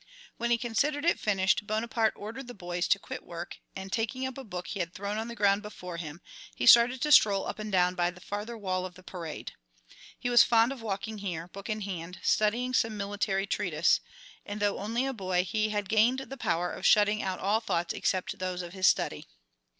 When he considered it finished Bonaparte ordered the boys to quit work, and taking up a book he had thrown on the ground before him he started to stroll up and down by the farther wall of the parade. He was fond of walking here, book in hand, studying some military treatise, and, though only a boy, he had gained the power of shutting out all thoughts except those of his study.